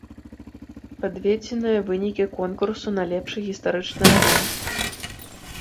Падведзеныя вынікі конкурсу на лепшы гістарычны раман.